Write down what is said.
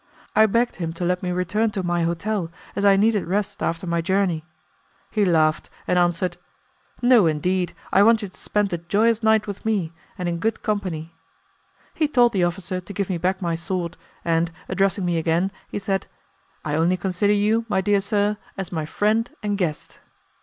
I begged him to let me return to my hotel as I needed rest after my journey. He laughed and answered, "No, indeed, I want you to spend a joyous night with me, and in good company." He told the officer to give me back my sword, and, addressing me again, he said, "I only consider you, my dear sir, as my friend and guest."